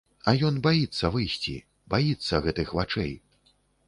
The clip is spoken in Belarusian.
А ён баіцца выйсці, баіцца гэтых вачэй.